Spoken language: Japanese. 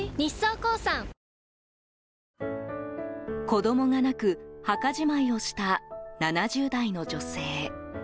子供がなく、墓じまいをした７０代の女性。